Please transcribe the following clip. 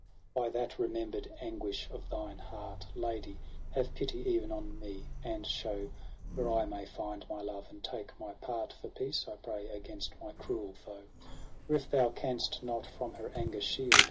H ' By that remember'd anguish of thine heart, Lady, have pity even on me, and show Where I may find my love ; and take my part For peace, I pray, against my cruel foe : Or if thou canst not from her anger shield.